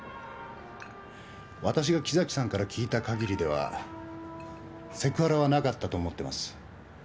わたしが木崎さんから聞いたかぎりではセクハラはなかったと思ってます。